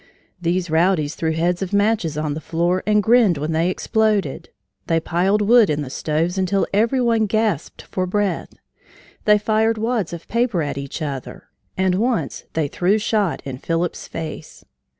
These rowdies threw heads of matches on the floor and grinned when they exploded; they piled wood in the stoves until every one gasped for breath; they fired wads of paper at each other; and once they threw shot in Phillips's face.